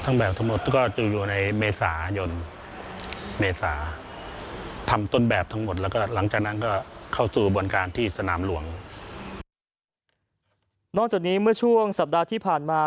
นอกจากนี้เมื่อช่วงสัปดาห์ที่ผ่านมา